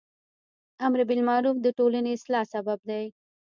امر بالمعروف د ټولنی اصلاح سبب دی.